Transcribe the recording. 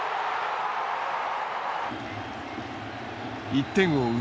１点を追う